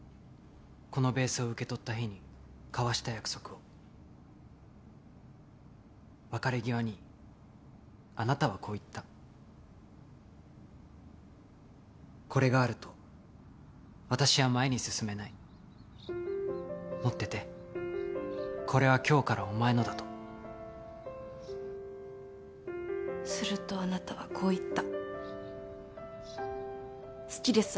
このベースを受け取った日に交わした約束を別れ際にあなたはこう言ったこれがあると私は前に進めない持っててこれは今日からお前のだとするとあなたはこう言った好きです